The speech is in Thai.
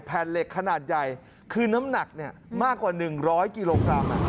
แผ่นเหล็กขนาดใหญ่คือน้ำหนักเนี่ยมากกว่าหนึ่งร้อยกิโลกรัม